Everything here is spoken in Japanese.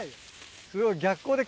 すごい。